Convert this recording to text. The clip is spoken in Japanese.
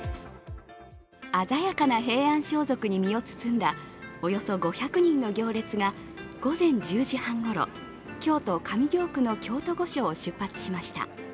鮮やかな平安装束に身を包んだおよそ５００人の行列が午前１０時半ごろ、京都・上京区の京都御所を出発しました。